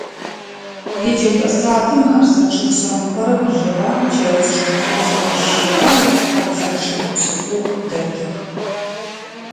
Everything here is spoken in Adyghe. Еджэпӏэ садым мыӏэрысэ чъыг шъэныкъорэ блырэ, чэрэз чъыг тӏокӏырэ щырэ, къыпцӏэ чъыг пшӏыкӏух дэтых.